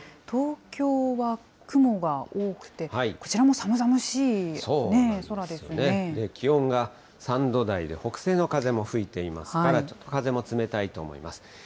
東京は雲が多くて、こちらも寒々気温が３度台で、北西の風も吹いていますから、ちょっと風も冷たいと思います。